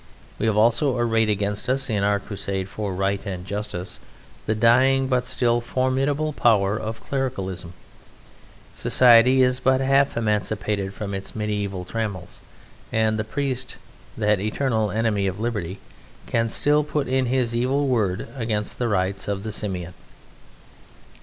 We have also arrayed against us in our crusade for right and justice the dying but still formidable power of clericalism. Society is but half emancipated from its medieval trammels, and the priest, that Eternal Enemy of Liberty, can still put in his evil word against the rights of the Simian.